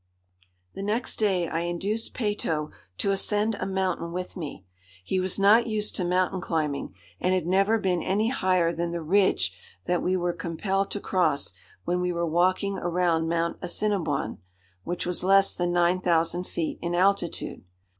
The next day I induced Peyto to ascend a mountain with me. He was not used to mountain climbing, and had never been any higher than the ridge that we were compelled to cross when we were walking around Mount Assiniboine, which was less than 9000 feet in altitude.